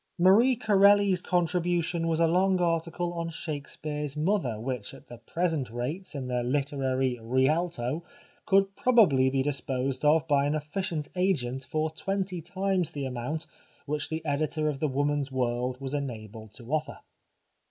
Marie Corelli's contribution was a long article on Shakespeare's mother, which at the present rates in the literary Rialto could probably be disposed of by an efficient agent for twenty times the amount which the editor of The Woman's World was enabled to offer.